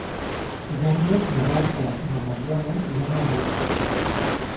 Divendres na Berta i na Mariona iran al metge.